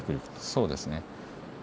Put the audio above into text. そうですね。